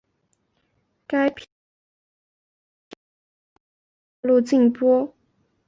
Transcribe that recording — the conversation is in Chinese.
该片问世时因议题敏感遭到大陆禁播。